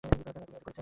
কেন এত মিনতি করছেন?